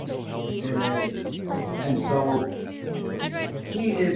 Walton retained the text in its original form and did not modernise the spelling.